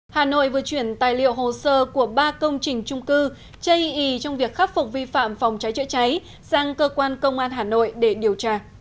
hà nội vừa chuyển tài liệu hồ sơ của ba công trình trung cư chây ý trong việc khắc phục vi phạm phòng cháy chữa cháy sang cơ quan công an hà nội để điều tra